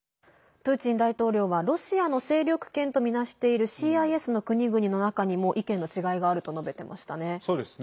プーチン大統領はロシアの勢力圏とみなしているＣＩＳの国々の中にも意見の違いがあると述べてましたね。